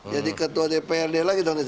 jadi ketua dprd lagi tahun ini